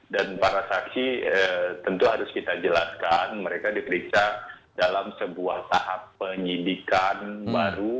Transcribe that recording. dan para saksi tentu harus kita jelaskan mereka diperiksa dalam sebuah tahap penyidikan baru